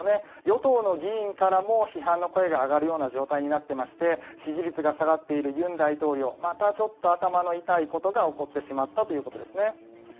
与党の議員からも批判の声が上がるような状態になっていまして支持率が下がっている尹大統領またちょっと頭の痛いことが起こってしまったということですね。